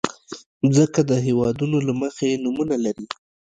مځکه د هېوادونو له مخې نومونه لري.